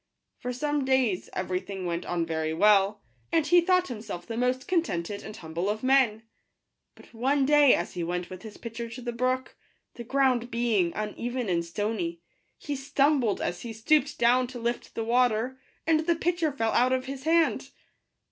For some days every thing went on very well, and he thought himself the most contented and humble of men ; but one day, as he went with his pitcher to the brook, the ground being uneven and stony, he stumbled as he stooped down to lift the water, and the pitcher fell out of his hand.